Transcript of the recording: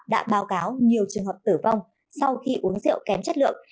đã báo cáo nhiều trường hợp tử vong sau khi uống rượu kém chất lượng